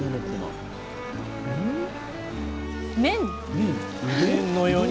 麺。